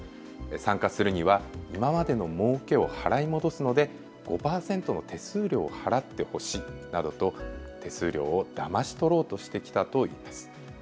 参加するには今までの儲けを払い戻すので５％の手数料を払ってほしいなどと手数料をだまし取ろうとしてきたといいます。